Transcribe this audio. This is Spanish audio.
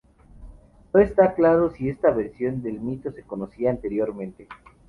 No está claro si esta versión del mito se conocía anteriormente.